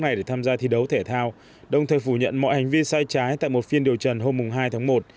hàn quốc ra thi đấu thể thao đồng thời phủ nhận mọi hành vi sai trái tại một phiên điều trần hôm